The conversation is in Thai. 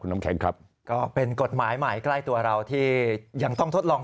น้ำแข็งครับก็เป็นกฎหมายใหม่ใกล้ตัวเราที่ยังต้องทดลอง